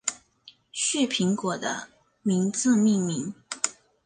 旭苹果的名字命名。